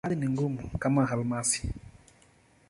Baadhi ni ngumu, kama almasi.